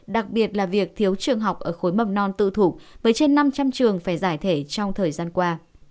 đặc biệt là việc thiếu trường học ở khối mầm non tư thục với trên năm trăm linh trường phải giải thể trong thời gian qua